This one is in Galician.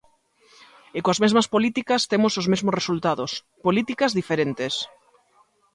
E coas mesmas políticas temos os mesmos resultados; políticas diferentes.